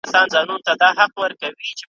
اختیارچه خاموشي کړم ستاانکاربه پکښي نه وي